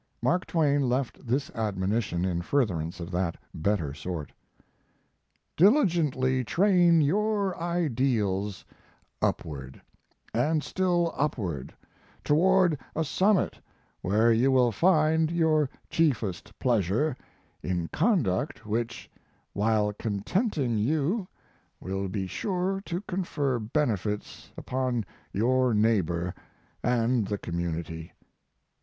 Mark Twain left this admonition in furtherance of that better sort: "Diligently train your ideals upward, and still upward, toward a summit where you will find your chiefest pleasure, in conduct which, while contenting you, will be sure to confer benefits upon your neighbor and the community."